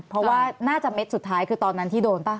เพราะว่าน่าจะเม็ดสุดท้ายคือตอนนั้นที่โดนป่ะ